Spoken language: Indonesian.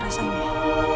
sakit banget rasanya